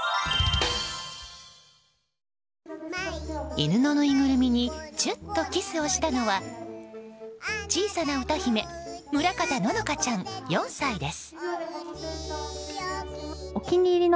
犬のぬいぐるみにチュッとキスをしたのは小さな歌姫村方乃々佳ちゃん、４歳です。